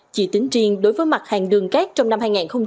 chỉ tính riêng đối với mặt hàng đường cát trong năm hai nghìn hai mươi